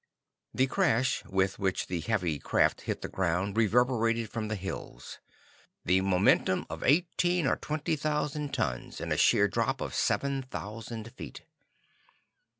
The crash with which the heavy craft hit the ground reverberated from the hills the momentum of eighteen or twenty thousand tons, in a sheer drop of seven thousand feet.